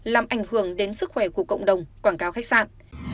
làm ảnh hưởng đến sức khỏe của cộng đồng quảng cáo khách sạn